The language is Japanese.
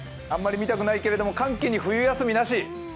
あんまり見たくないけど寒気に冬休みなし！